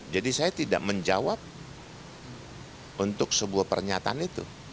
jadi saya tidak menjawab untuk sebuah pernyataan itu